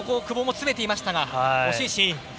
久保も詰めていましたが惜しいシーン。